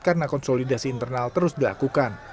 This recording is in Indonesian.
karena konsolidasi internal terus dilakukan